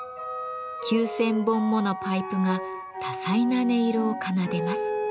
９，０００本ものパイプが多彩な音色を奏でます。